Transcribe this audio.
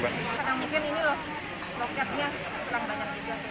karena mungkin ini loh loketnya kurang banyak juga